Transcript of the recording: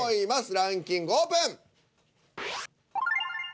ランキングオープン。